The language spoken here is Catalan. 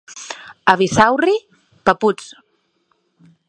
A Bissaürri, paputs.